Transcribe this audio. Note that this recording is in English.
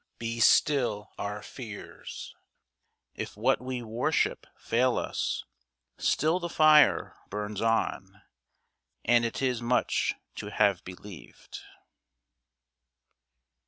Be still our fears; If what we worship fail us, still the fire Burns on, and it is much to have believed.